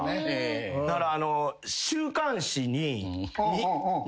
だから。